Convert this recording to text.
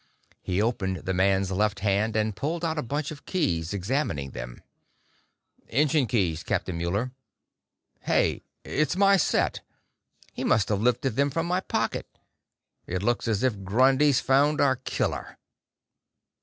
He opened the man's left hand and pulled out a bunch of keys, examining them. "Engine keys, Captain Muller. Hey it's my set! He must have lifted them from my pocket. It looks as if Grundy's found our killer!"